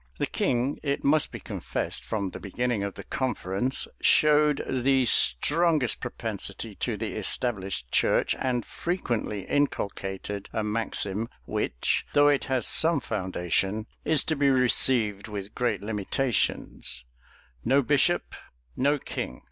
The king, it must be confessed, from the beginning of the conference, showed the strongest propensity to the established church, and frequently inculcated a maxim which, though it has some foundation, is to be received with great limitations, "No bishop, no king."